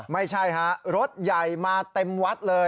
ไม่ใช่ฮะรถใหญ่มาเต็มวัดเลย